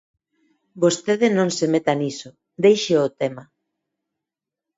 Vostede non se meta niso, deixe o tema.